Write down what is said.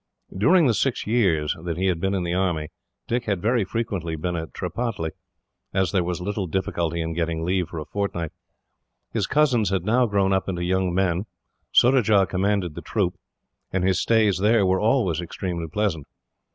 During the six years that he had been in the army, Dick had very frequently been at Tripataly, as there was little difficulty in getting leave for a fortnight. His cousins had now grown up into young men, Surajah commanded the troop, and his stays there were always extremely pleasant.